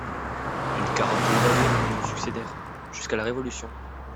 Une quarantaine d'abbés se succédèrent jusqu'à la Révolution.